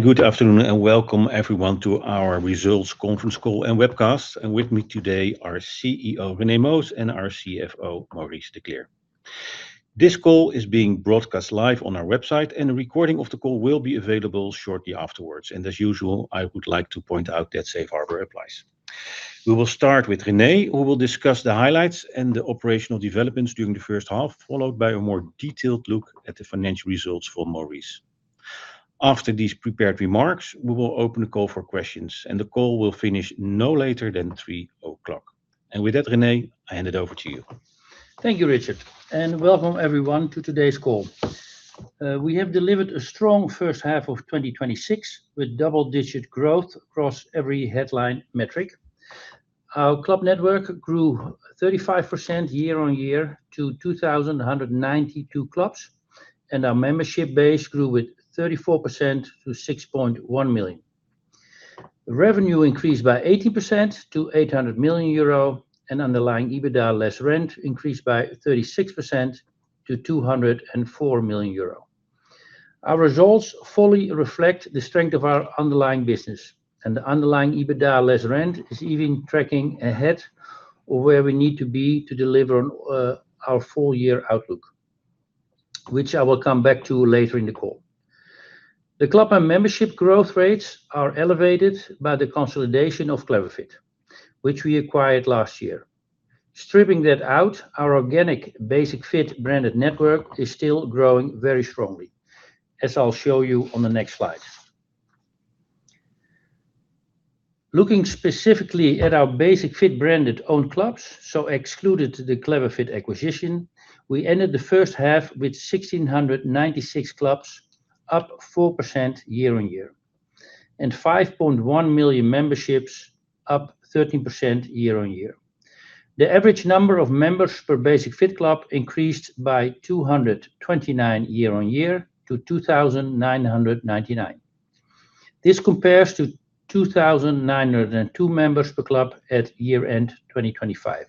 Good afternoon and welcome everyone to our results conference call and webcast. With me today are CEO, René Moos, and our CFO, Maurice de Kleer. This call is being broadcast live on our website, a recording of the call will be available shortly afterwards. As usual, I would like to point out that Safe Harbor applies. We will start with René, who will discuss the highlights and the operational developments during the first half, followed by a more detailed look at the financial results from Maurice. After these prepared remarks, we will open the call for questions, the call will finish no later than 3:00 P.M. With that, René, I hand it over to you. Thank you, Richard, welcome everyone to today's call. We have delivered a strong first half of 2026 with double-digit growth across every headline metric. Our club network grew 35% year-on-year to 2,192 clubs. Our membership base grew with 34% to 6.1 million. Revenue increased by 18% to 800 million euro. Underlying EBITDA, less rent, increased by 36% to 204 million euro. Our results fully reflect the strength of our underlying business, the underlying EBITDA, less rent, is even tracking ahead of where we need to be to deliver our full year outlook, which I will come back to later in the call. The club and membership growth rates are elevated by the consolidation of Clever Fit, which we acquired last year. Stripping that out, our organic Basic-Fit branded network is still growing very strongly, as I'll show you on the next slide. Looking specifically at our Basic-Fit branded own clubs, so excluded the Clever Fit acquisition, we ended the first half with 1,696 clubs, up 4% year-on-year. 5.1 million memberships, up 13% year-on-year. The average number of members per Basic-Fit club increased by 229 year-on-year to 2,999. This compares to 2,902 members per club at year-end 2025,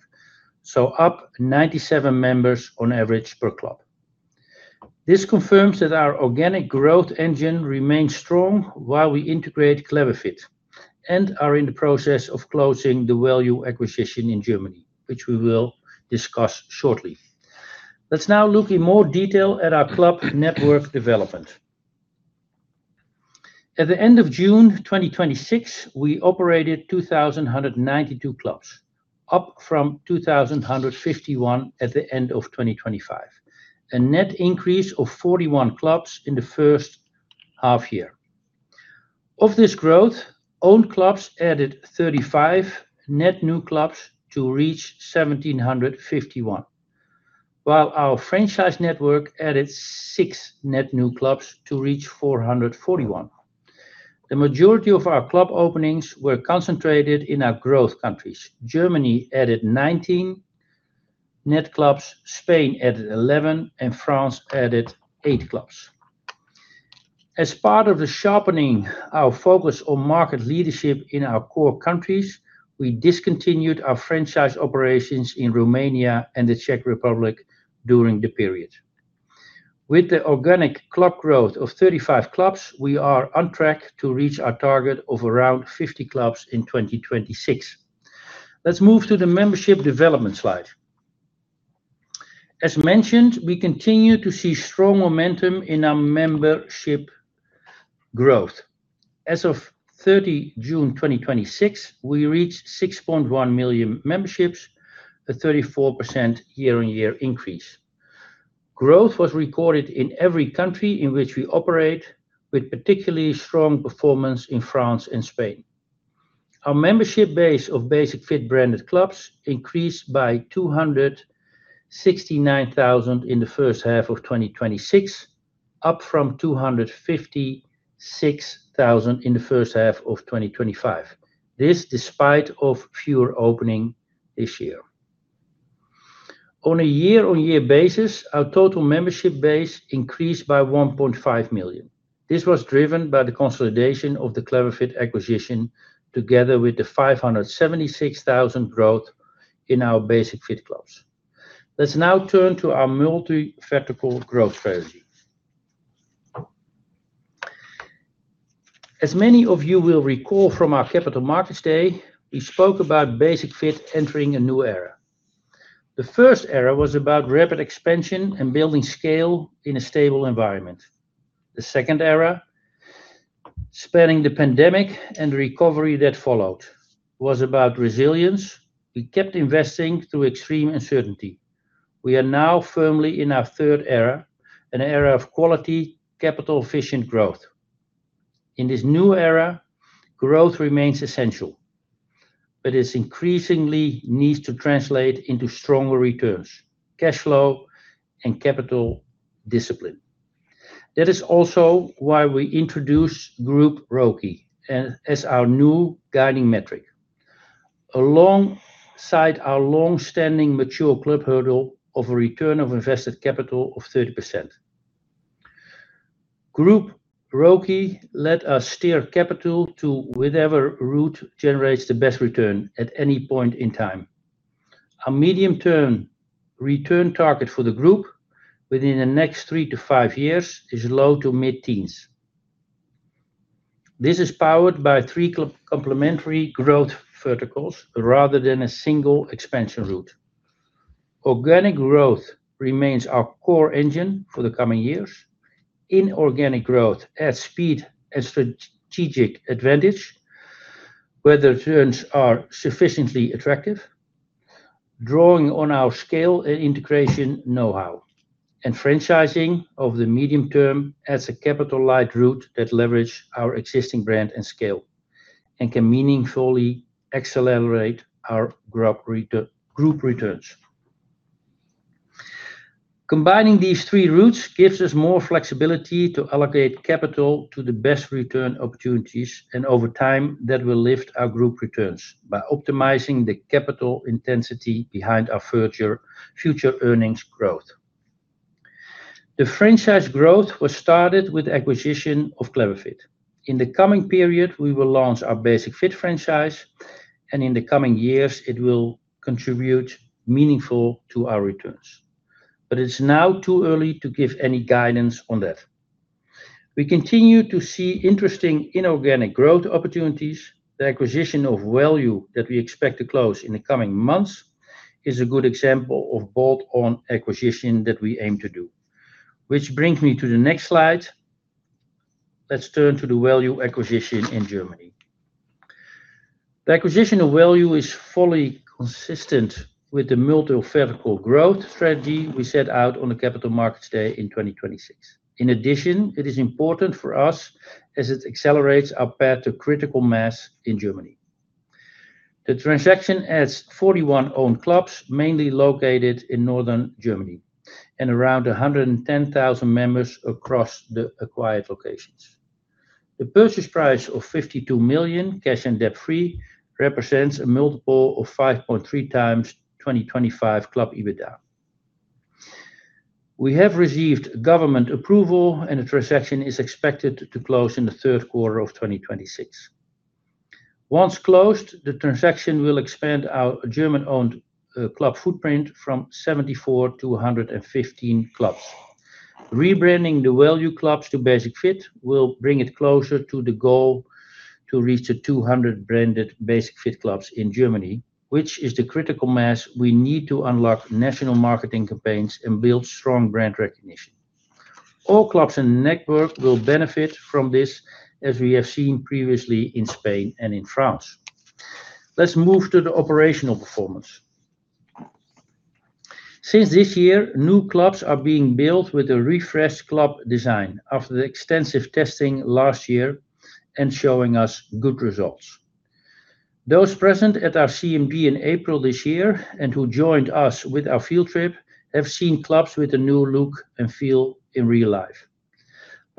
so up 97 members on average per club. This confirms that our organic growth engine remains strong while we integrate Clever Fit and are in the process of closing the wellyou acquisition in Germany, which we will discuss shortly. Let's now look in more detail at our club network development. At the end of June 2026, we operated 2,192 clubs, up from 2,151 at the end of 2025. A net increase of 41 clubs in the first half year. Of this growth, owned clubs added 35 net new clubs to reach 1,751, while our franchise network added six net new clubs to reach 441. The majority of our club openings were concentrated in our growth countries. Germany added 19 net clubs, Spain added 11, France added 8 clubs. As part of the sharpening our focus on market leadership in our core countries, we discontinued our franchise operations in Romania and the Czech Republic during the period. With the organic club growth of 35 clubs, we are on track to reach our target of around 50 clubs in 2026. Let's move to the membership development slide. As mentioned, we continue to see strong momentum in our membership growth. As of 30 June 2026, we reached 6.1 million memberships, a 34% year-on-year increase. Growth was recorded in every country in which we operate, with particularly strong performance in France and Spain. Our membership base of Basic-Fit branded clubs increased by 269,000 in the first half of 2026, up from 256,000 in the first half of 2025. This despite of fewer opening this year. On a year-on-year basis, our total membership base increased by 1.5 million. This was driven by the consolidation of the Clever Fit acquisition, together with the 576,000 growth in our Basic-Fit clubs. Let's now turn to our multi-vertical growth strategy. As many of you will recall from our Capital Markets Day, we spoke about Basic-Fit entering a new era. The first era was about rapid expansion and building scale in a stable environment. The second era, spanning the pandemic and recovery that followed, was about resilience. We kept investing through extreme uncertainty. We are now firmly in our third era, an era of quality, capital-efficient growth. In this new era, growth remains essential, but it increasingly needs to translate into stronger returns, cash flow, and capital discipline. That is also why we introduced Group ROCE as our new guiding metric. Alongside our long-standing mature club hurdle of a return on invested capital of 30%. Group ROCE let us steer capital to whatever route generates the best return at any point in time. Our medium-term return target for the group within the next three to five years is low to mid-teens. This is powered by three complementary growth verticals rather than a single expansion route. Organic growth remains our core engine for the coming years. Inorganic growth adds speed and strategic advantage where the returns are sufficiently attractive, drawing on our scale and integration knowhow. Franchising over the medium term adds a capital-light route that leverages our existing brand and scale and can meaningfully accelerate our group returns. Combining these three routes gives us more flexibility to allocate capital to the best return opportunities, and over time, that will lift our group returns by optimizing the capital intensity behind our future earnings growth. The franchise growth was started with the acquisition of Clever Fit. In the coming period, we will launch our Basic-Fit franchise, and in the coming years, it will contribute meaningful to our returns. It's now too early to give any guidance on that. We continue to see interesting inorganic growth opportunities. The acquisition of wellyou that we expect to close in the coming months is a good example of bolt-on acquisition that we aim to do. Which brings me to the next slide. Let's turn to the wellyou acquisition in Germany. The acquisition of wellyou is fully consistent with the multi-vertical growth strategy we set out on the Capital Markets Day in 2026. In addition, it is important for us as it accelerates our path to critical mass in Germany. The transaction adds 41 owned clubs, mainly located in Northern Germany, and around 110,000 members across the acquired locations. The purchase price of 52 million, cash and debt-free, represents a multiple of 5.3x 2025 club EBITDA. We have received government approval, and the transaction is expected to close in the third quarter of 2026. Once closed, the transaction will expand our German-owned club footprint from 74 to 115 clubs. Rebranding the wellyou clubs to Basic-Fit will bring it closer to the goal to reach the 200 branded Basic-Fit clubs in Germany, which is the critical mass we need to unlock national marketing campaigns and build strong brand recognition. All clubs and network will benefit from this, as we have seen previously in Spain and in France. Let's move to the operational performance. Since this year, new clubs are being built with a refreshed club design after the extensive testing last year and showing us good results. Those present at our CMD in April this year, and who joined us with our field trip, have seen clubs with a new look and feel in real life.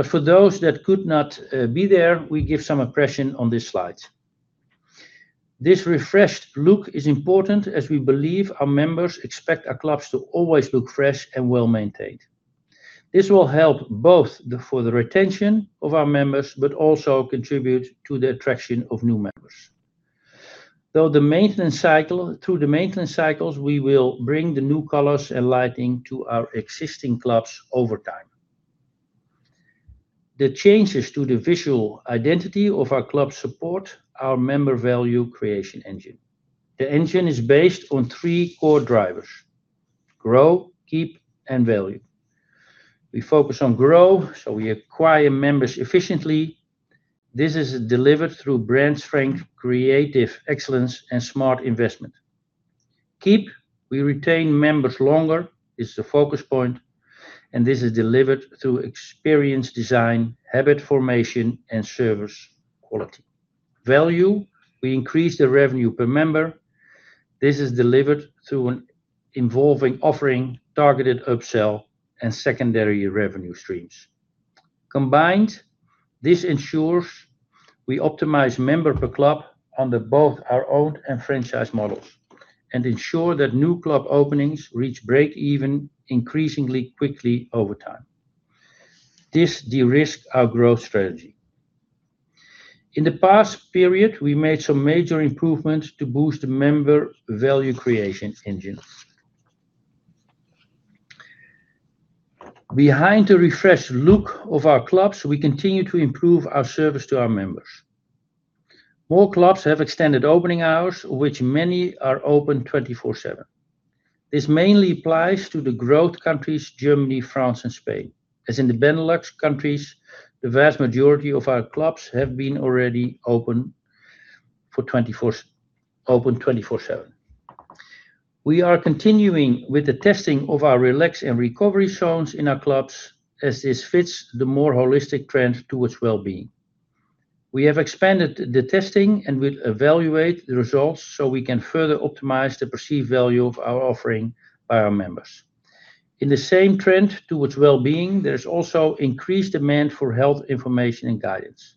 For those that could not be there, we give some impression on these slides. This refreshed look is important as we believe our members expect our clubs to always look fresh and well-maintained. This will help both for the retention of our members, but also contribute to the attraction of new members. Through the maintenance cycles, we will bring the new colors and lighting to our existing clubs over time. The changes to the visual identity of our clubs support our member value creation engine. The engine is based on three core drivers: grow, keep, and value. We focus on grow. We acquire members efficiently. This is delivered through brand strength, creative excellence, and smart investment. Keep, we retain members longer is the focus point, and this is delivered through experience design, habit formation, and service quality. Value, we increase the revenue per member. This is delivered through involving offering targeted upsell and secondary revenue streams. Combined, this ensures we optimize member per club under both our owned and franchise models and ensure that new club openings reach break even increasingly quickly over time. This de-risks our growth strategy. In the past period, we made some major improvements to boost the member value creation engine. Behind the refreshed look of our clubs, we continue to improve our service to our members. More clubs have extended opening hours, which many are open 24/7. This mainly applies to the growth countries Germany, France, and Spain. As in the Benelux countries, the vast majority of our clubs have been already open 24/7. We are continuing with the testing of our relax and recovery zones in our clubs as this fits the more holistic trend towards well-being. We have expanded the testing and will evaluate the results. We can further optimize the perceived value of our offering by our members. In the same trend towards well-being, there is also increased demand for health information and guidance.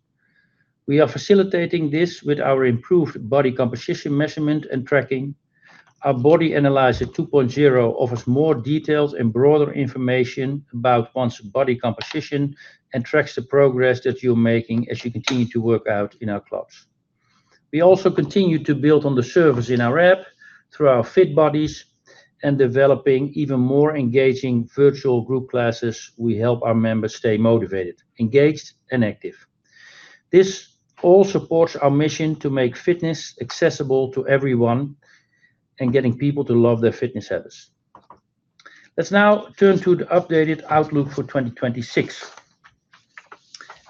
We are facilitating this with our improved body composition measurement and tracking. Our Body Analyzer 2.0 offers more details and broader information about one's body composition and tracks the progress that you're making as you continue to work out in our clubs. We also continue to build on the service in our app through our Fitbuddies and developing even more engaging virtual group classes. We help our members stay motivated, engaged and active. This all supports our mission to make fitness accessible to everyone and getting people to love their fitness habits. Let's now turn to the updated outlook for 2026.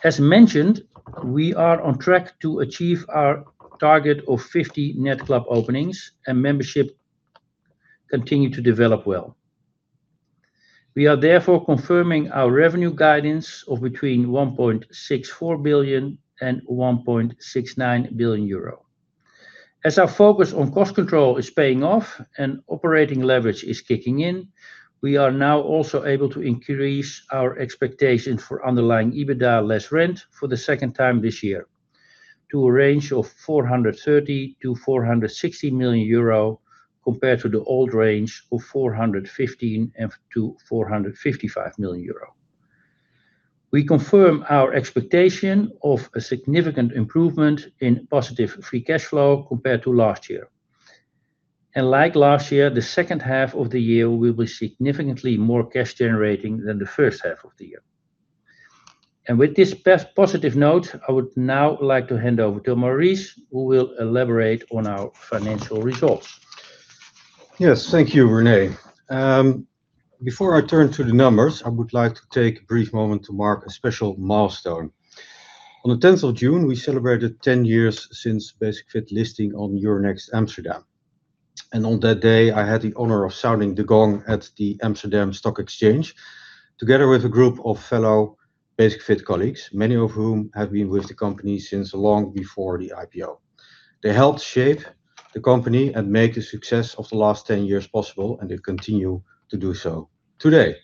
As mentioned, we are on track to achieve our target of 50 net club openings and membership continue to develop well. We are therefore confirming our revenue guidance of between 1.64 billion and 1.69 billion euro. As our focus on cost control is paying off and operating leverage is kicking in, we are now also able to increase our expectations for underlying EBITDA less rent for the second time this year to a range of 430 million-460 million euro, compared to the old range of 415 million-455 million euro. We confirm our expectation of a significant improvement in positive free cash flow compared to last year. Like last year, the second half of the year will be significantly more cash generating than the first half of the year. With this positive note, I would now like to hand over to Maurice, who will elaborate on our financial results. Yes. Thank you, René. Before I turn to the numbers, I would like to take a brief moment to mark a special milestone. On the 10th of June, we celebrated 10 years since Basic-Fit listing on Euronext Amsterdam. On that day, I had the honor of sounding the gong at the Amsterdam Stock Exchange, together with a group of fellow Basic-Fit colleagues, many of whom have been with the company since long before the IPO. They helped shape the company and make the success of the last 10 years possible, and they continue to do so today.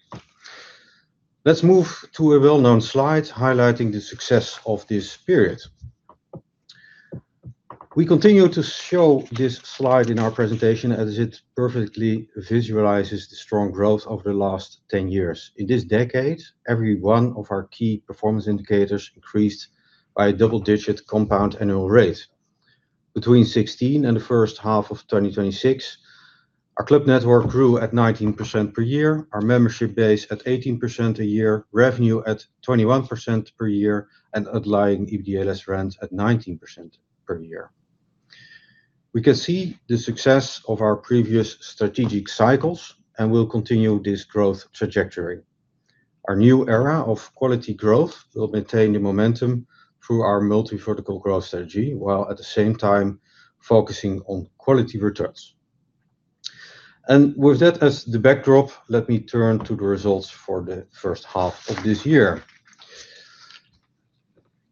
Let's move to a well-known slide highlighting the success of this period. We continue to show this slide in our presentation as it perfectly visualizes the strong growth over the last 10 years. In this decade, every one of our key performance indicators increased by a double-digit compound annual rate. Between 2016 and the first half of 2026, our club network grew at 19% per year, our membership base at 18% a year, revenue at 21% per year, and underlying EBITDA less rent at 19% per year. We can see the success of our previous strategic cycles and will continue this growth trajectory. Our new era of quality growth will maintain the momentum through our multi-vertical growth strategy, while at the same time focusing on quality returns. With that as the backdrop, let me turn to the results for the first half of this year.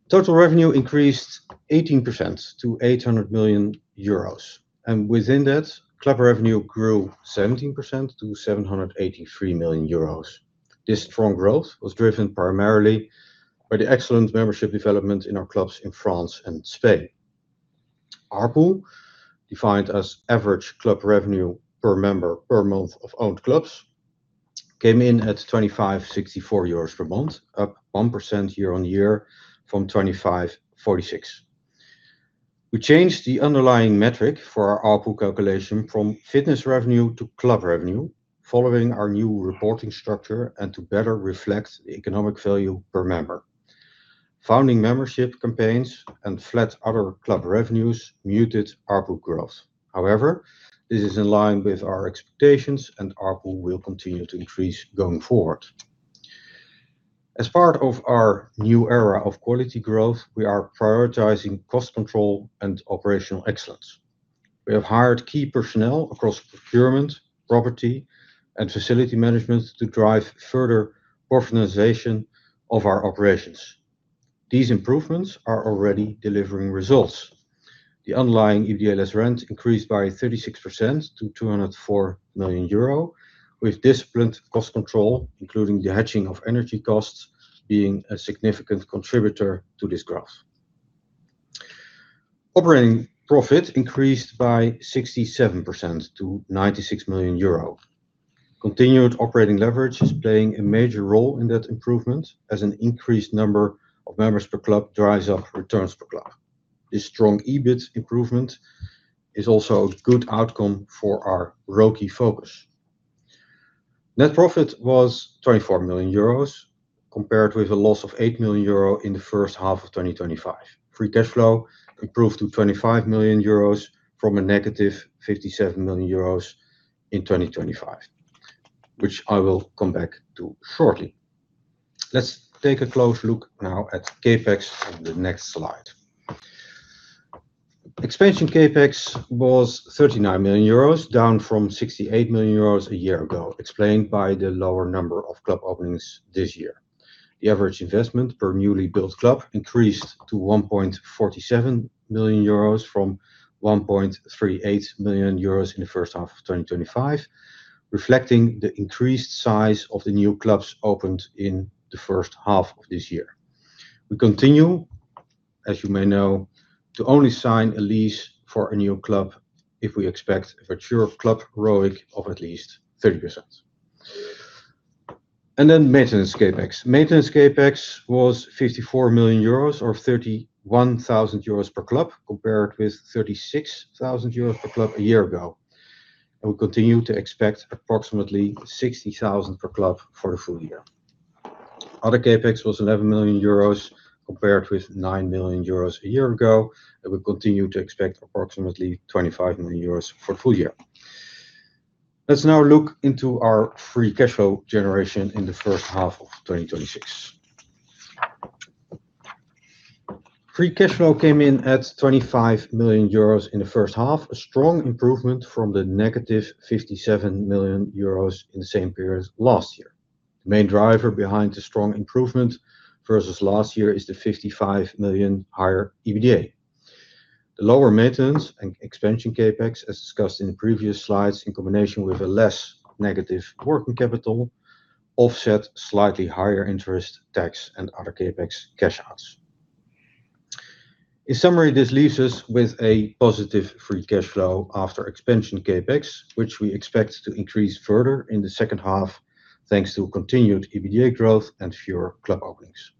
Total revenue increased 18% to 800 million euros, and within that, club revenue grew 17% to 783 million euros. This strong growth was driven primarily by the excellent membership development in our clubs in France and Spain. ARPU, defined as average club revenue per member per month of owned clubs, came in at 25.64 euros per month, up 1% year-on-year from 25.46. We changed the underlying metric for our ARPU calculation from fitness revenue to club revenue following our new reporting structure and to better reflect the economic value per member. Founding membership campaigns and flat other club revenues muted ARPU growth. This is in line with our expectations, and ARPU will continue to increase going forward. As part of our new era of quality growth, we are prioritizing cost control and operational excellence. We have hired key personnel across procurement, property, and facility management to drive further organization of our operations. These improvements are already delivering results. The underlying EBITDA less rent increased by 36% to 204 million euro, with disciplined cost control, including the hedging of energy costs being a significant contributor to this growth. Operating profit increased by 67% to 96 million euro. Continued operating leverage is playing a major role in that improvement as an increased number of members per club drives up returns per club. This strong EBIT improvement is also a good outcome for our ROCE focus. Net profit was 24 million euros, compared with a loss of 8 million euro in the first half of 2025. Free cash flow improved to 25 million euros from a -57 million euros in 2025, which I will come back to shortly. Let's take a close look now at CapEx on the next slide. Expansion CapEx was 39 million euros, down from 68 million euros a year ago, explained by the lower number of club openings this year. The average investment per newly built club increased to 1.47 million euros from 1.38 million euros in the first half of 2025, reflecting the increased size of the new clubs opened in the first half of this year. We continue, as you may know, to only sign a lease for a new club if we expect a future club ROIC of at least 30%. Maintenance CapEx. Maintenance CapEx was 54 million euros or 31,000 euros per club, compared with 36,000 euros per club a year ago. We continue to expect approximately 60,000 per club for the full year. Other CapEx was 11 million euros compared with 9 million euros a year ago, we continue to expect approximately 25 million euros for full year. Let's now look into our free cash flow generation in the first half of 2026. Free cash flow came in at 25 million euros in the first half, a strong improvement from the -57 million euros in the same period last year. The main driver behind the strong improvement versus last year is the 55 million higher EBITDA. The lower maintenance and expansion CapEx, as discussed in the previous slides, in combination with a less negative working capital, offset slightly higher interest tax and other CapEx cash outs. In summary, this leaves us with a positive free cash flow after expansion CapEx, which we expect to increase further in the second half thanks to continued EBITDA growth and fewer club openings.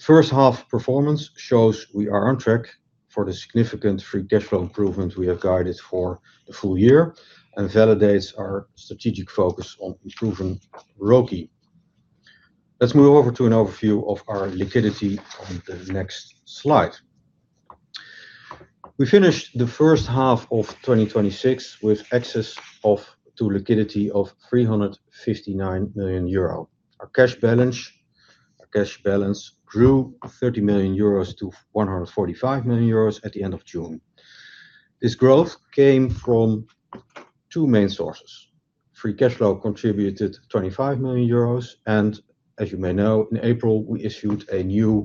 First half performance shows we are on track for the significant free cash flow improvement we have guided for the full year and validates our strategic focus on improving ROCE. Let's move over to an overview of our liquidity on the next slide. We finished the first half of 2026 with excess of to liquidity of 359 million euro. Our cash balance grew 30 million euros to 145 million euros at the end of June. This growth came from two main sources. Free cash flow contributed 25 million euros. As you may know, in April, we issued a new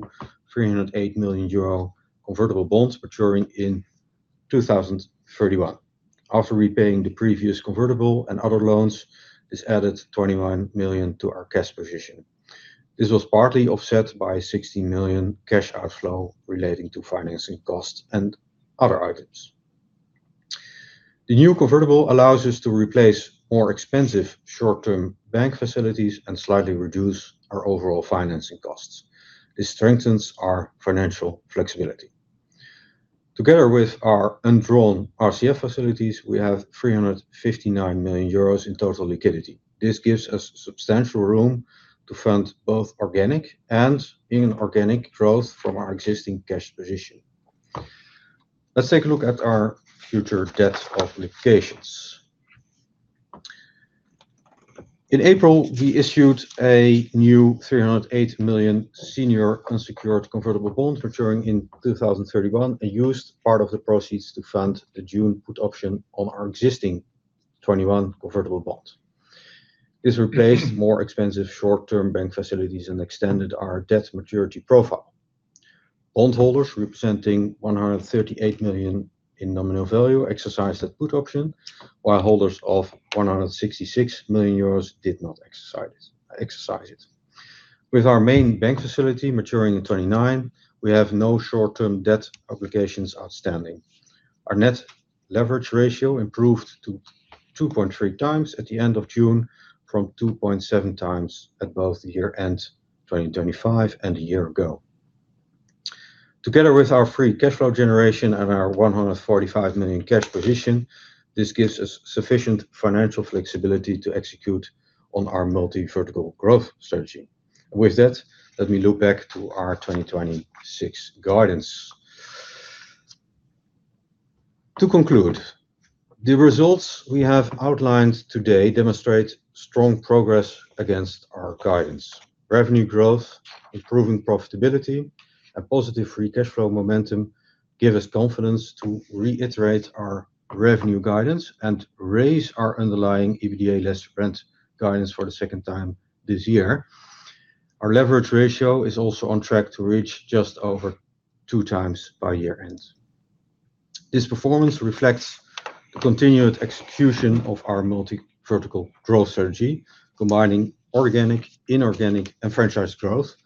308 million euro convertible bonds maturing in 2031. After repaying the previous convertible and other loans, this added 21 million to our cash position. This was partly offset by 16 million cash outflow relating to financing costs and other items. The new convertible allows us to replace more expensive short-term bank facilities and slightly reduce our overall financing costs. This strengthens our financial flexibility. Together with our undrawn RCF facilities, we have 359 million euros in total liquidity. This gives us substantial room to fund both organic and inorganic growth from our existing cash position. Let's take a look at our future debt obligations. In April, we issued a new 308 million senior unsecured convertible bond maturing in 2031 and used part of the proceeds to fund the June put option on our existing 2021 convertible bond. This replaced more expensive short-term bank facilities and extended our debt maturity profile. Bondholders representing 138 million in nominal value exercised that put option, while holders of 166 million euros did not exercise it. With our main bank facility maturing in 2029, we have no short-term debt obligations outstanding. Our net leverage ratio improved to 2.3x at the end of June from 2.7x at both the year end 2025 and a year ago. Together with our free cash flow generation and our 145 million cash position, this gives us sufficient financial flexibility to execute on our multi-vertical growth strategy. With that, let me look back to our 2026 guidance. To conclude, the results we have outlined today demonstrate strong progress against our guidance. Revenue growth, improving profitability, and positive free cash flow momentum give us confidence to reiterate our revenue guidance and raise our underlying EBITDA less rent guidance for the second time this year. Our leverage ratio is also on track to reach just over 2x by year end. This performance reflects the continued execution of our multi-vertical growth strategy, combining organic, inorganic, and franchise growth,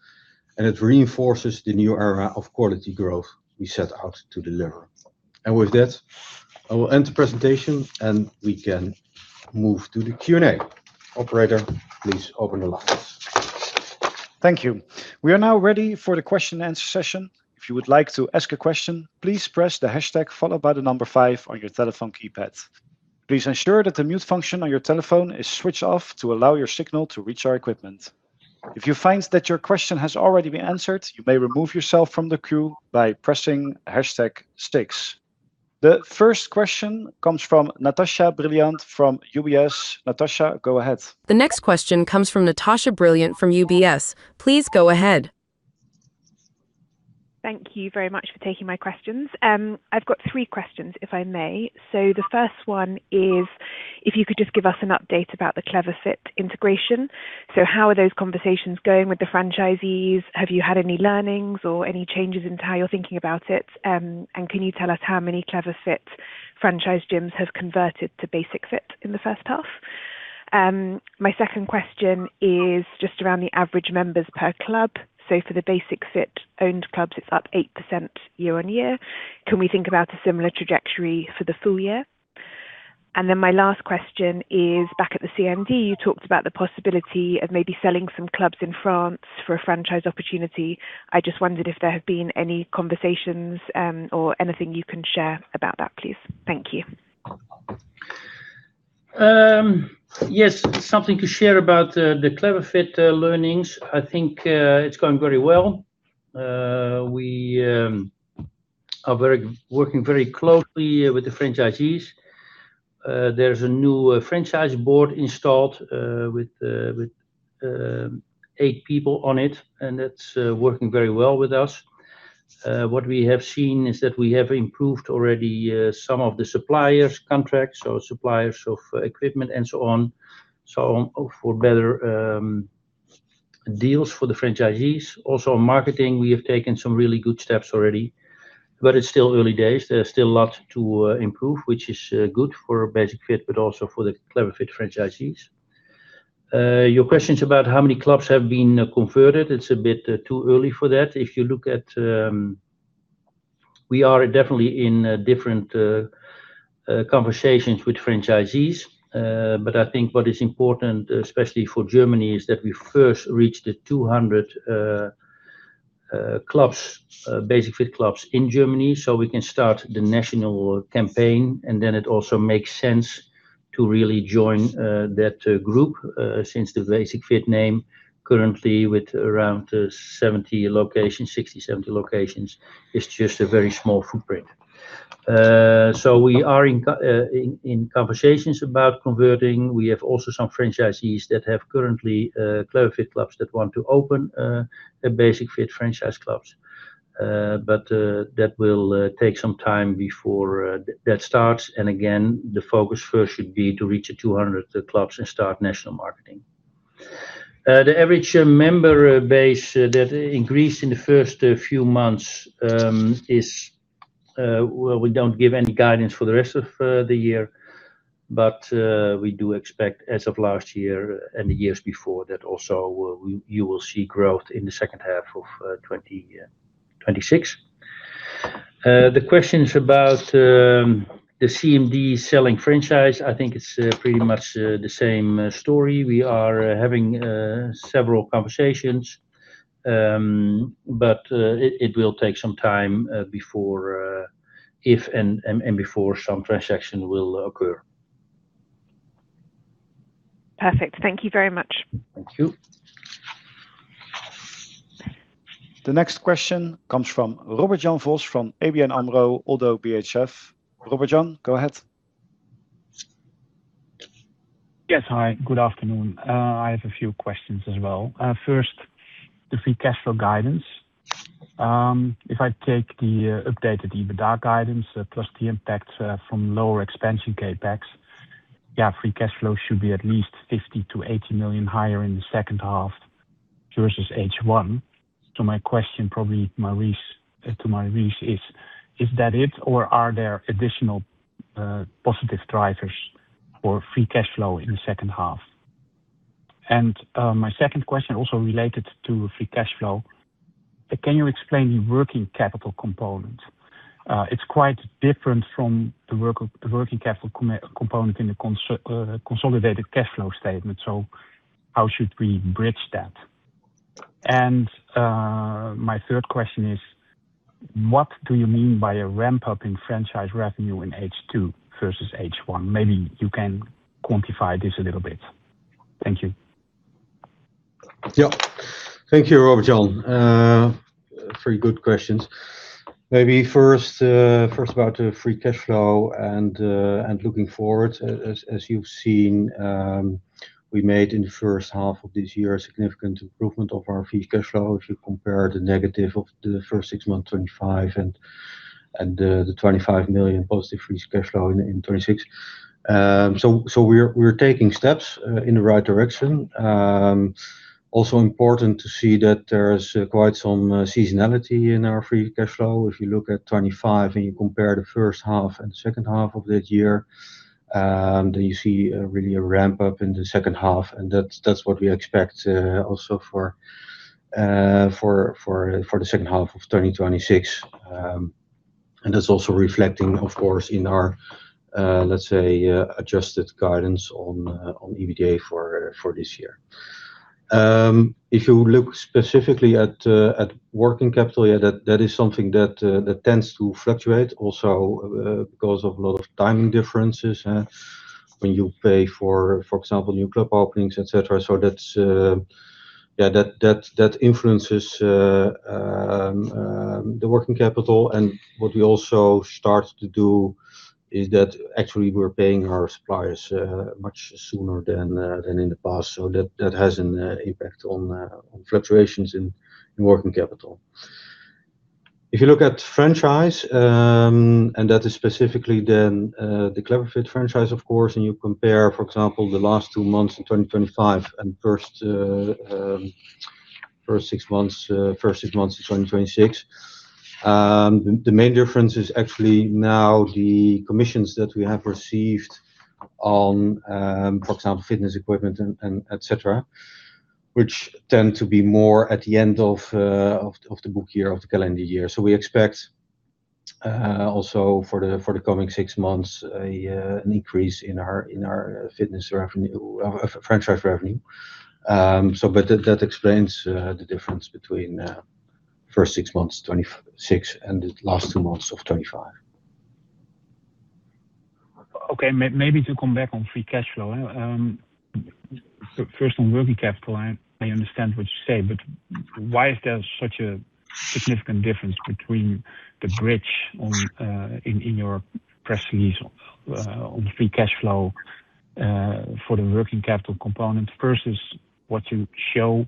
and it reinforces the new era of quality growth we set out to deliver. With that, I will end the presentation, and we can move to the Q&A. Operator, please open the line. Thank you. We are now ready for the question and answer session. If you would like to ask a question, please press the hashtag followed by the number five on your telephone keypad. Please ensure that the mute function on your telephone is switched off to allow your signal to reach our equipment. If you find that your question has already been answered, you may remove yourself from the queue by pressing hashtag six. The first question comes from Natasha Brilliant from UBS. Natasha, go ahead. The next question comes from Natasha Brilliant from UBS. Please go ahead. Thank you very much for taking my questions. I've got three questions, if I may. The first one is if you could just give us an update about the Clever Fit integration. How are those conversations going with the franchisees? Have you had any learnings or any changes into how you're thinking about it? Can you tell us how many Clever Fit franchise gyms have converted to Basic-Fit in the first half? My second question is just around the average members per club. For the Basic-Fit owned clubs, it's up 8% year-over-year. Can we think about a similar trajectory for the full year? My last question is back at the CMD, you talked about the possibility of maybe selling some clubs in France for a franchise opportunity. I just wondered if there have been any conversations or anything you can share about that, please. Thank you. Yes. Something to share about the Clever Fit learnings. I think it's going very well. We are working very closely with the franchisees. There's a new franchise board installed with eight people on it, and it's working very well with us. What we have seen is that we have improved already some of the suppliers contracts or suppliers of equipment and so on, for better deals for the franchisees. On marketing, we have taken some really good steps already, but it's still early days. There's still a lot to improve, which is good for Basic-Fit, but also for the Clever Fit franchisees. Your questions about how many clubs have been converted, it's a bit too early for that. We are definitely in different conversations with franchisees. I think what is important, especially for Germany, is that we first reach the 200 Basic-Fit clubs in Germany so we can start the national campaign. It also makes sense to really join that group. Since the Basic-Fit name currently with around 60-70 locations is just a very small footprint. We are in conversations about converting. We have also some franchisees that have currently Clever Fit clubs that want to open Basic-Fit franchise clubs. That will take some time before that starts. Again, the focus first should be to reach the 200 clubs and start national marketing. The average member base that increased in the first few months is-- Well, we don't give any guidance for the rest of the year. We do expect as of last year and the years before that also you will see growth in the second half of 2026. The questions about the CMD selling franchise, I think it's pretty much the same story. We are having several conversations. It will take some time if and before some transaction will occur. Perfect. Thank you very much. Thank you. The next question comes from Robert Jan Vos from ABN AMRO - ODDO BHF. Robert Jan, go ahead. Yes. Hi, good afternoon. I have a few questions as well. First, the free cash flow guidance. If I take the updated EBITDA guidance plus the impact from lower expansion CapEx. Yeah, free cash flow should be at least 50 million-80 million higher in the second half versus H1. My question probably to Maurice is that it or are there additional positive drivers for free cash flow in the second half? My second question, also related to free cash flow. Can you explain the working capital component? It's quite different from the working capital component in the consolidated cash flow statement. How should we bridge that? My third question is, what do you mean by a ramp-up in franchise revenue in H2 versus H1? Maybe you can quantify this a little bit. Thank you. Yeah. Thank you, Robert Jan. Three good questions. Maybe first about free cash flow and looking forward. As you've seen, we made in the first half of this year a significant improvement of our free cash flow. If you compare the negative of the first six months, 2025 and the +25 million free cash flow in 2026. We're taking steps in the right direction. Also important to see that there is quite some seasonality in our free cash flow. If you look at 2025 and you compare the first half and second half of that year, then you see really a ramp-up in the second half. That's what we expect also for the second half of 2026. That's also reflecting of course, in our, let's say, adjusted guidance on EBITDA for this year. If you look specifically at working capital, yeah, that is something that tends to fluctuate also because of a lot of timing differences. When you pay for example, new club openings, et cetera. That influences the working capital. What we also start to do is that actually we're paying our suppliers much sooner than in the past. That has an impact on fluctuations in working capital. If you look at franchise, and that is specifically then the Clever Fit franchise, of course. You compare, for example, the last two months in 2025 and first six months of 2026. The main difference is actually now the commissions that we have received On, for example, fitness equipment and et cetera, which tend to be more at the end of the book year, of the calendar year. We expect also for the coming six months, an increase in our fitness revenue-- franchise revenue. That explains the difference between first six months, 2026, and the last two months of 2025. Okay. Maybe to come back on free cash flow. First on working capital, I understand what you say, but why is there such a significant difference between the bridge in your press release on free cash flow for the working capital component versus what you show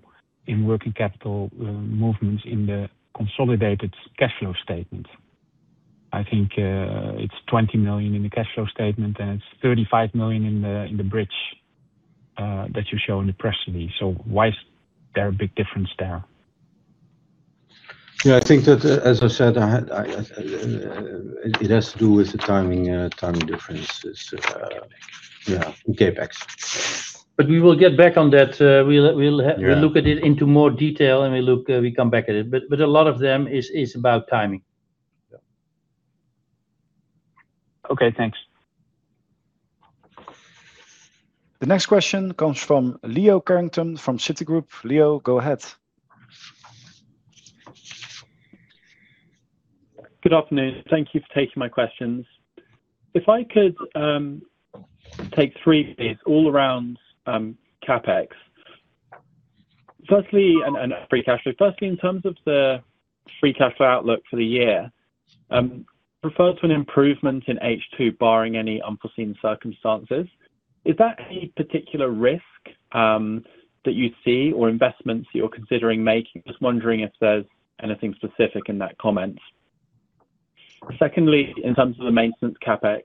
in working capital movements in the consolidated cash flow statement? I think it's 20 million in the cash flow statement, and it's 35 million in the bridge that you show in the press release. Why is there a big difference there? Yeah, I think that, as I said, it has to do with the timing differences. Yeah. In CapEx. We will get back on that. Yeah look at it into more detail, and we come back to it. A lot of them is about timing. Yeah. Okay. Thanks. The next question comes from Leo Carrington from Citigroup. Leo, go ahead. Good afternoon. Thank you for taking my questions. If I could take three bits all around CapEx. Firstly, and free cash flow. Firstly, in terms of the free cash flow outlook for the year, refer to an improvement in H2 barring any unforeseen circumstances. Is that a particular risk that you see or investments you're considering making? Just wondering if there's anything specific in that comment. Secondly, in terms of the maintenance CapEx,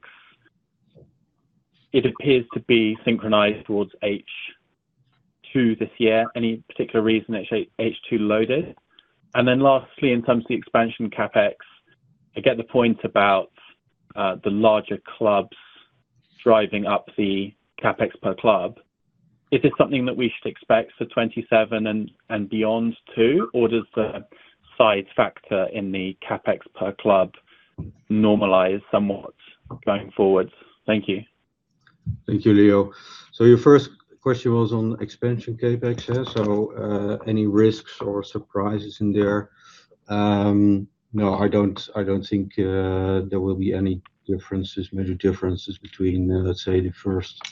it appears to be synchronized towards H2 this year. Any particular reason it's H2 loaded? Lastly, in terms of the expansion CapEx, I get the point about the larger clubs driving up the CapEx per club. Is this something that we should expect for 2027 and beyond too? Or does the size factor in the CapEx per club normalize somewhat going forward? Thank you. Thank you, Leo. Your first question was on expansion CapEx, yeah? Any risks or surprises in there? No, I don't think there will be any major differences between, let's say, the first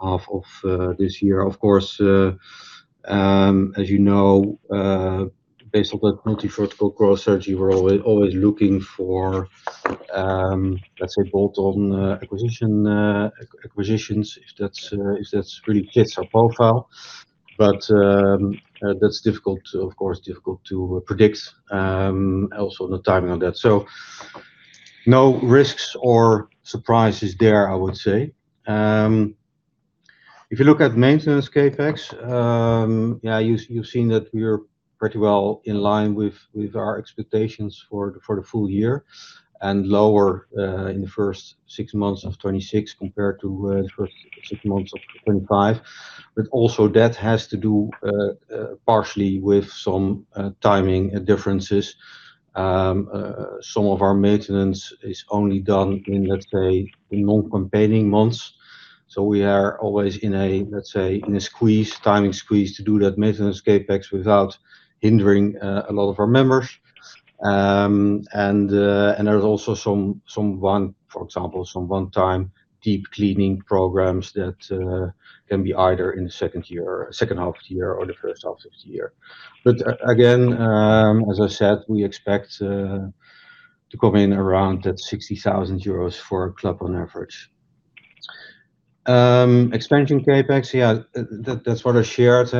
half of this year. Of course, as you know, based on that multi-vertical growth strategy, we're always looking for, let's say, bolt-on acquisitions, if that really fits our profile. That's difficult, of course, to predict. Also, the timing of that. No risks or surprises there, I would say. If you look at maintenance CapEx, you've seen that we are pretty well in line with our expectations for the full year and lower in the first six months of 2026 compared to the first six months of 2025. Also that has to do partially with some timing differences. Some of our maintenance is only done in, let's say, the non-campaigning months. We are always in a, let's say, in a timing squeeze to do that maintenance CapEx without hindering a lot of our members. There's also, for example, some one-time deep cleaning programs that can be either in the second half of the year or the first half of the year. Again, as I said, we expect to come in around that 60,000 euros for a club on average. Expansion CapEx, yeah. That's what I shared.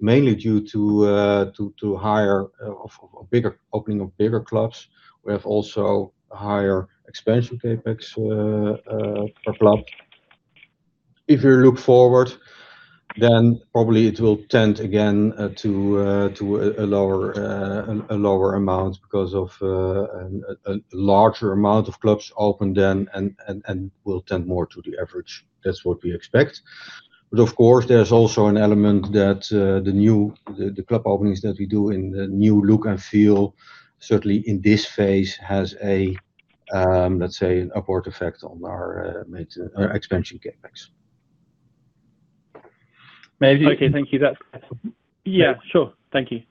Mainly due to opening of bigger clubs. We have also higher expansion CapEx per club. If you look forward, then probably it will tend again to a lower amount because of a larger amount of clubs opened then, and will tend more to the average. That's what we expect. Of course, there's also an element that the club openings that we do in the new look and feel, certainly in this phase, has a, let's say, an upward effect on our expansion CapEx. Maybe- [Okay. Thank you Leo]. Yeah, sure. Thank you.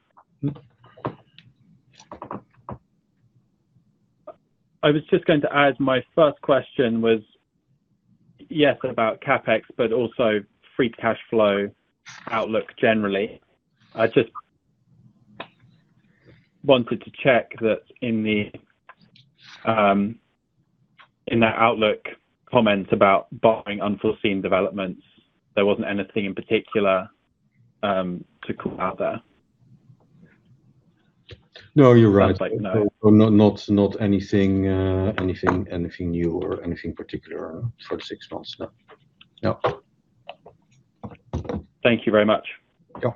I was just going to add, my first question was, yes, about CapEx, but also free cash flow outlook generally. I just wanted to check that in that outlook comment about barring unforeseen developments, there wasn't anything in particular to call out there. No, you're right. Just like, no. Not anything new or anything particular for six months. No. Thank you very much. Yeah.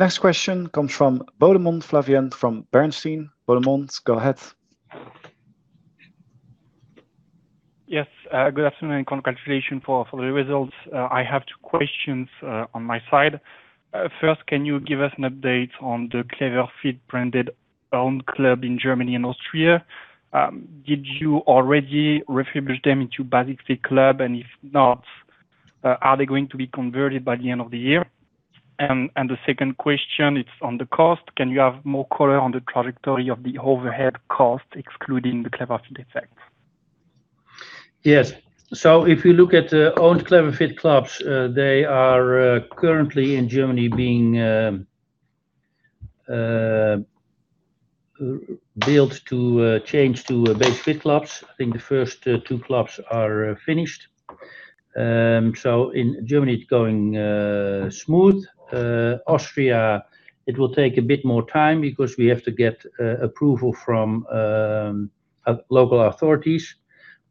Next question comes from Baudemont Flavien from Bernstein. Baudemont, go ahead. Yes. Good afternoon, congratulations for the results. I have two questions on my side. First, can you give us an update on the Clever Fit branded owned club in Germany and Austria? Did you already refurbish them into Basic-Fit club, if not, are they going to be converted by the end of the year? The second question is on the cost. Can you have more color on the trajectory of the overhead cost excluding the Clever Fit effects? Yes. If you look at the owned Clever Fit clubs, they are currently in Germany being built to change to Basic-Fit clubs. I think the first two clubs are finished. In Germany it's going smooth. Austria, it will take a bit more time because we have to get approval from local authorities.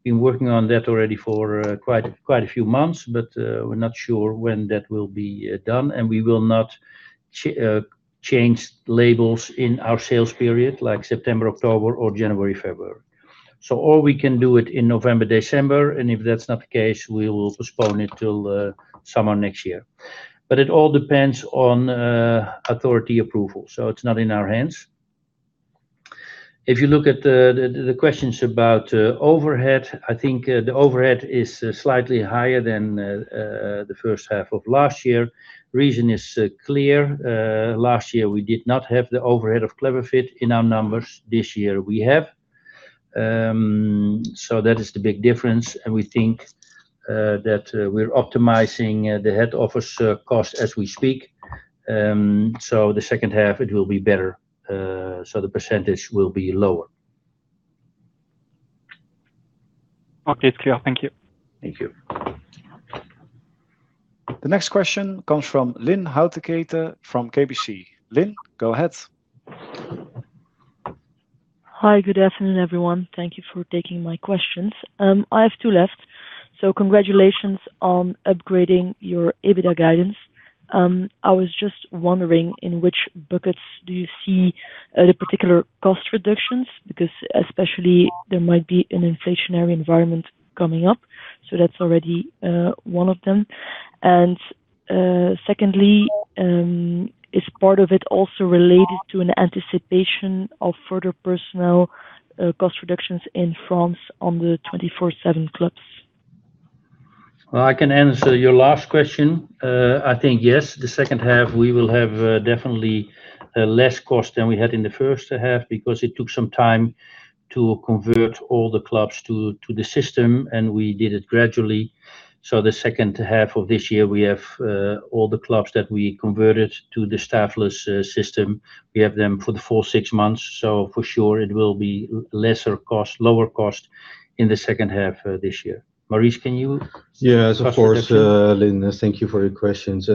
Been working on that already for quite a few months. We're not sure when that will be done, we will not change labels in our sales period, like September, October, or January, February. Or we can do it in November, December, if that's not the case, we will postpone it till summer next year. It all depends on authority approval, so it's not in our hands. If you look at the questions about overhead, I think the overhead is slightly higher than the first half of last year. Reason is clear. Last year we did not have the overhead of Clever Fit in our numbers. This year we have. That is the big difference, we think that we're optimizing the head office cost as we speak. The second half it will be better, the percentage will be lower. Okay. It's clear. Thank you. Thank you. The next question comes from Lynn Hautekeete from KBC Securities. Lynn, go ahead. Hi. Good afternoon, everyone. Thank you for taking my questions. I have two left. Congratulations on upgrading your EBITDA guidance. I was just wondering in which buckets do you see the particular cost reductions? Especially there might be an inflationary environment coming up, that's already one of them. Secondly, is part of it also related to an anticipation of further personnel cost reductions in France on the 24/7 clubs? Well, I can answer your last question. I think yes, the second half we will have definitely less cost than we had in the first half because it took some time to convert all the clubs to the system, and we did it gradually. The second half of this year, we have all the clubs that we converted to the staffless system. We have them for the full six months. For sure, it will be lesser cost, lower cost in the second half of this year. Maurice, can you- Yes, of course, Lynn. Thank you for your questions.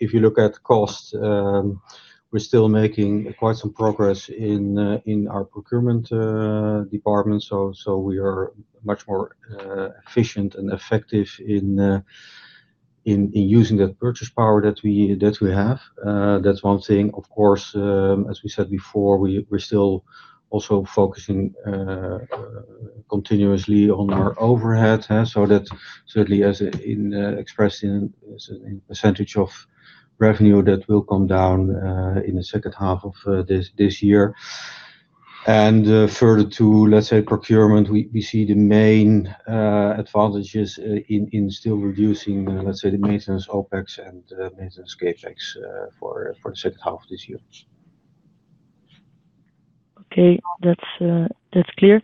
If you look at costs, we're still making quite some progress in our procurement department. We are much more efficient and effective in using that purchase power that we have. That's one thing. Of course, as we said before, we're still also focusing continuously on our overhead. That certainly as expressed in percentage of revenue, that will come down in the second half of this year. Further to, let's say procurement, we see the main advantages in still reducing, let's say the maintenance OpEx and maintenance CapEx for the second half of this year. Okay. That's clear.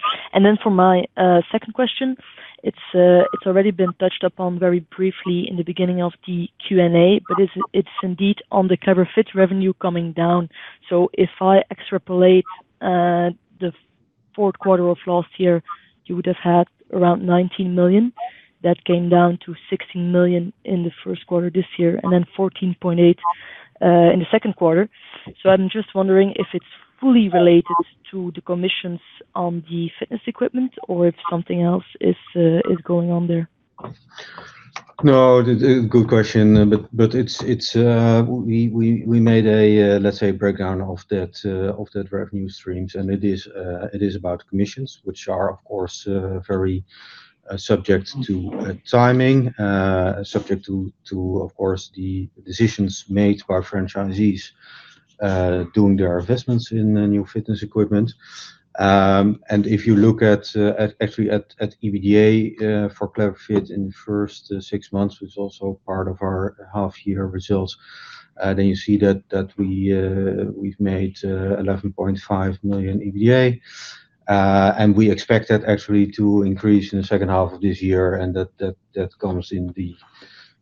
For my second question, it's already been touched upon very briefly in the beginning of the Q&A. It's indeed on the Clever Fit revenue coming down. If I extrapolate the fourth quarter of last year, you would've had around 19 million. That came down to 16 million in the first quarter this year, then 14.8 million in the second quarter. I'm just wondering if it's fully related to the commissions on the fitness equipment or if something else is going on there. No, good question. We made a, let's say, breakdown of that revenue streams, and it is about commissions, which are of course, very subject to timing, subject to, of course, the decisions made by franchisees doing their investments in new fitness equipment. If you look at, actually at EBITDA for Clever Fit in the first six months, which is also part of our half year results, you see that we've made 11.5 million EBITDA. We expect that actually to increase in the second half of this year and that comes in the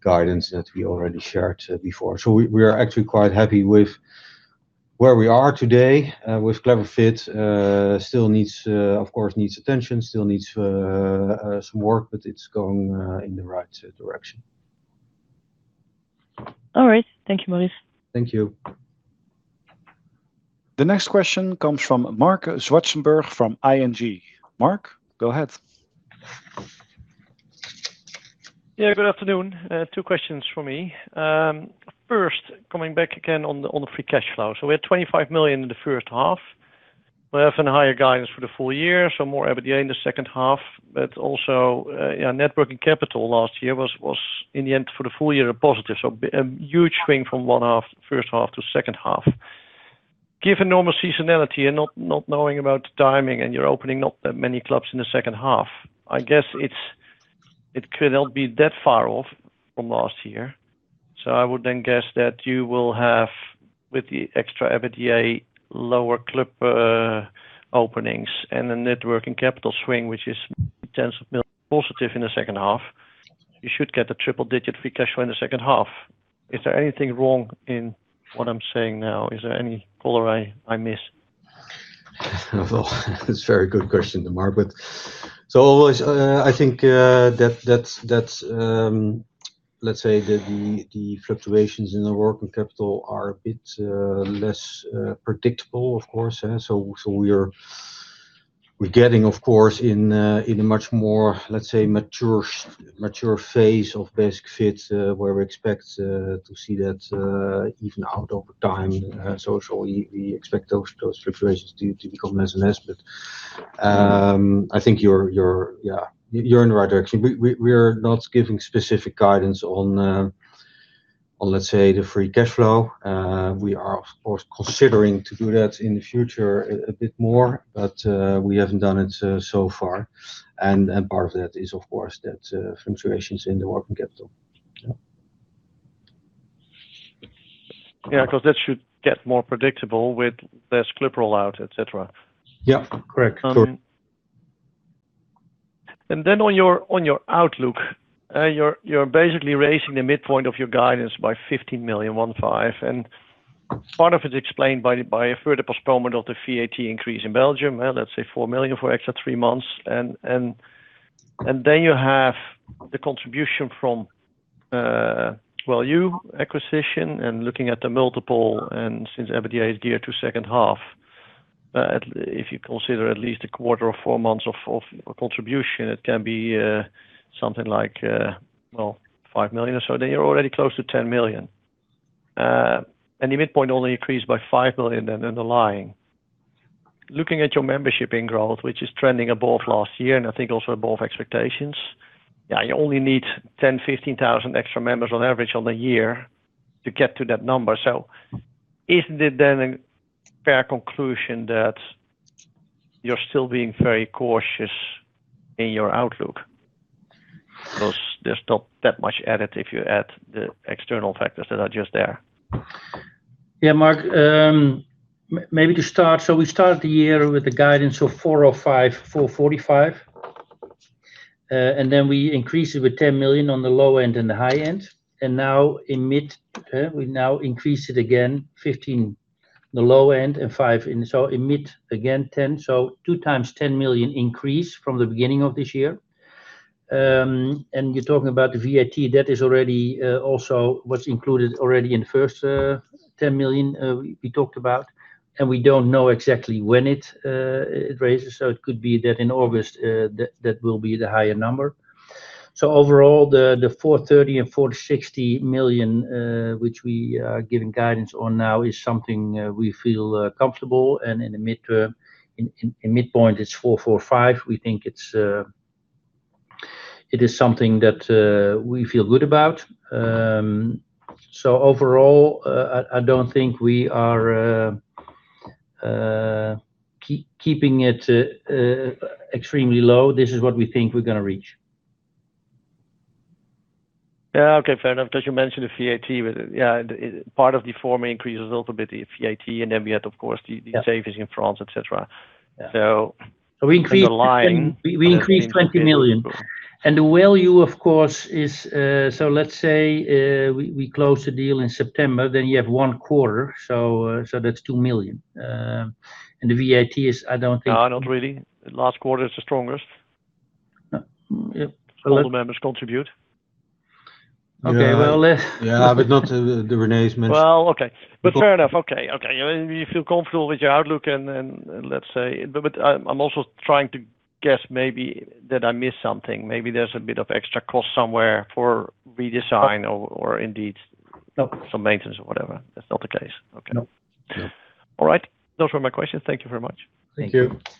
guidance that we already shared before. We are actually quite happy with where we are today with Clever Fit. Still needs, of course, needs attention, still needs some work. It's going in the right direction. All right. Thank you, Maurice. Thank you. The next question comes from Marc Zwartsenburg from ING. Marc, go ahead. Good afternoon. two questions from me. First, coming back again on the free cash flow. We had 25 million in the first half. We're having a higher guidance for the full year, more EBITDA in the second half. Also, our net working capital last year was, in the end for the full year, a positive, a huge swing from first half to second half. Given normal seasonality and not knowing about the timing and you're opening not that many clubs in the second half, I guess it could not be that far off from last year. I would then guess that you will have, with the extra EBITDA, lower club openings and the net working capital swing, which is tens of million positive in the second half, you should get a triple-digit free cash flow in the second half. Is there anything wrong in what I'm saying now? Is there any color I miss? Well, it's a very good question, Marc. Always, I think that's, let's say, the fluctuations in the working capital are a bit less predictable, of course. We're getting, of course, in a much more, let's say, mature phase of Basic-Fit where we expect to see that even out over time. We expect those fluctuations to become less and less. I think you're in the right direction. We are not giving specific guidance on, let's say, the free cash flow. We are, of course, considering to do that in the future a bit more. We haven't done it so far. Part of that is, of course, that fluctuations in the working capital. Yeah, because that should get more predictable with less club rollout, et cetera. Yeah. Correct. Sure. On your outlook, you're basically raising the midpoint of your guidance by 15 million, 15. Part of it is explained by a further postponement of the VAT increase in Belgium. Well, let's say 4 million for extra three months. Then you have the contribution from wellyou acquisition and looking at the multiple, and since EBITDA is geared to second half, if you consider at least a quarter or four months of contribution, it can be something like 5 million or so. Then you're already close to 10 million. The midpoint only increased by 5 million then underlying. Looking at your membership enrolled, which is trending above last year, and I think also above expectations, you only need 10,000-15,000 extra members on average on the year to get to that number. Isn't it then a fair conclusion that you're still being very cautious in your outlook? Because there's not that much added if you add the external factors that are just there. Marc, maybe to start, we started the year with a guidance of 405 million, 445 million. We increased it with 10 million on the low end and the high end. Now in mid, we now increase it again 15 the low end and 5 in. In mid, again 10. Two times 10 million increase from the beginning of this year. You're talking about the VAT, that is already also what's included already in the first 10 million we talked about, and we don't know exactly when it raises. It could be that in August that will be the higher number. Overall, the 430 million and 460 million, which we are giving guidance on now, is something we feel comfortable and in the midpoint, it's 445 million. We think it is something that we feel good about. Overall, I don't think we are keeping it extremely low. This is what we think we're going to reach. Yeah. Okay, fair enough. You mentioned the VAT with it. Yeah, part of the EUR 4 million increase is also a bit of VAT, and then we had, of course, the savings in France, et cetera. Yeah. In the line. We increased 20 million. The wellyou, of course, is. Let's say we close the deal in September, then you have one quarter, so that's 2 million. The VAT is, I don't think. No, not really. Last quarter is the strongest. Yeah. All the members contribute. Okay, well. Yeah, not the. Well, okay. Fair enough. Okay. You feel comfortable with your outlook and let's say I'm also trying to guess maybe that I missed something. Maybe there's a bit of extra cost somewhere for redesign or indeed. No some maintenance or whatever. That's not the case. Okay. No. All right. Those were my questions. Thank you very much. Thank you. Thank you.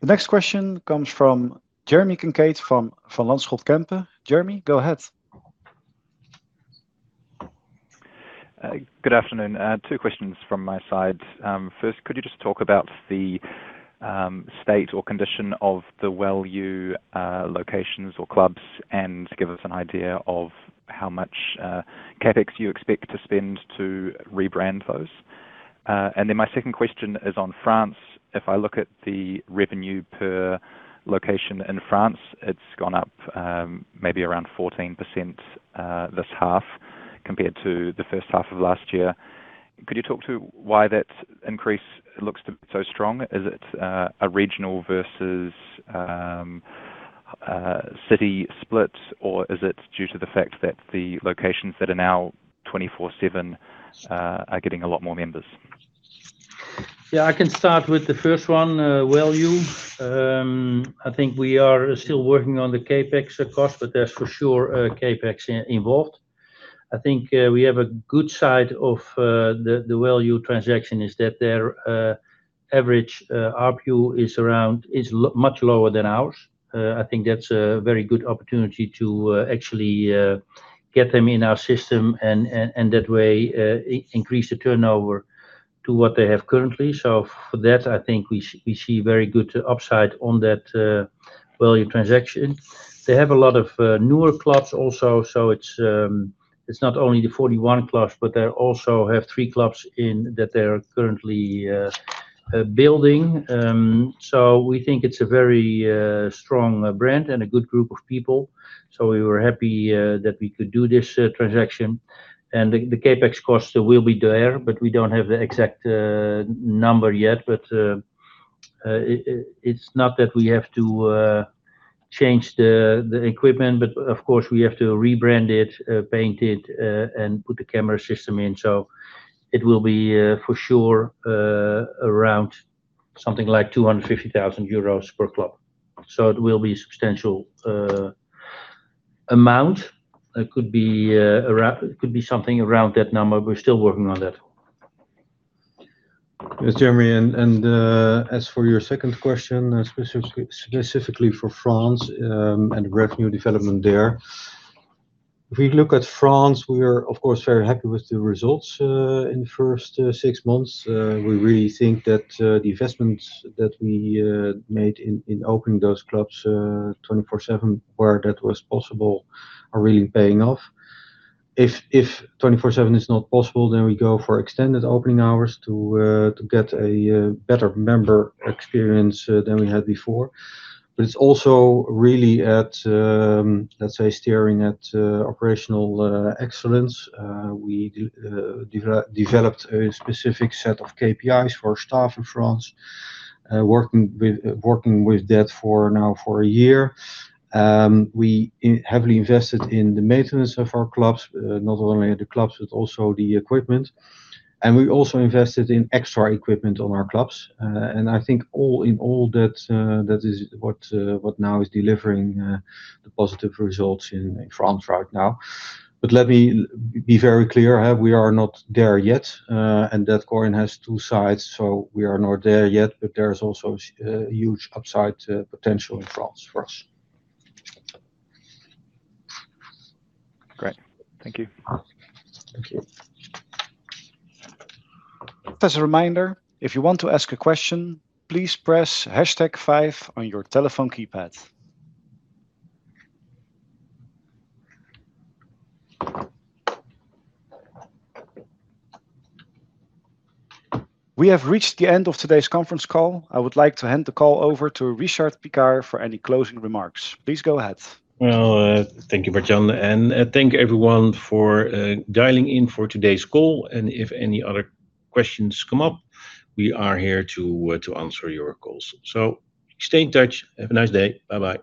The next question comes from Jeremy Kincaid from Van Lanschot Kempen. Jeremy, go ahead. Good afternoon. Two questions from my side. First, could you just talk about the state or condition of the wellyou locations or clubs and give us an idea of how much CapEx you expect to spend to rebrand those? Then my second question is on France. If I look at the revenue per location in France, it's gone up maybe around 14% this half compared to the first half of last year. Could you talk to why that increase looks so strong? Is it a regional versus city split, or is it due to the fact that the locations that are now 24/7 are getting a lot more members? Yeah, I can start with the first one, wellyou. I think we are still working on the CapEx cost, but there's for sure CapEx involved. I think we have a good side of the wellyou transaction, is that their average ARPU is much lower than ours. I think that's a very good opportunity to actually get them in our system and that way increase the turnover to what they have currently. For that, I think we see very good upside on that wellyou transaction. They have a lot of newer clubs also, it's not only the 41 clubs, but they also have three clubs that they're currently building. We think it's a very strong brand and a good group of people. We were happy that we could do this transaction. The CapEx cost will be there, but we don't have the exact number yet. It's not that we have to change the equipment, but of course we have to rebrand it, paint it, and put the camera system in. It will be, for sure, around something like 250,000 euros per club. It will be a substantial amount. It could be something around that number. We're still working on that. Yes, Jeremy, as for your second question, specifically for France and the revenue development there. If we look at France, we are of course very happy with the results in the first six months. We really think that the investments that we made in opening those clubs 24/7, where that was possible, are really paying off. If 24/7 is not possible, we go for extended opening hours to get a better member experience than we had before. It's also really at, let's say, steering at operational excellence. We developed a specific set of KPIs for staff in France, working with that for now for a year. We heavily invested in the maintenance of our clubs, not only the clubs, but also the equipment. We also invested in extra equipment on our clubs. I think all in all that is what now is delivering the positive results in France right now. Let me be very clear, we are not there yet. That coin has two sides. We are not there yet, but there is also huge upside potential in France for us. Great. Thank you. Thank you. Just a reminder, if you want to ask a question, please press hashtag five on your telephone keypad. We have reached the end of today's conference call. I would like to hand the call over to Richard Piekaar for any closing remarks. Please go ahead. Well, thank you, [Martijn], and thank everyone for dialing in for today's call. If any other questions come up, we are here to answer your calls. Stay in touch. Have a nice day. Bye-bye.